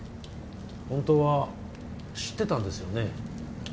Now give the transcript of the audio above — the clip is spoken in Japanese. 本当は知ってたんですよね